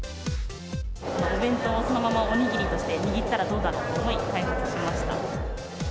お弁当をそのままおにぎりとして握ったらどうだろうと思い開発しました。